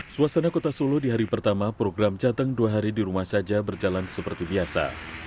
suasana kota solo di hari pertama program jateng dua hari di rumah saja berjalan seperti biasa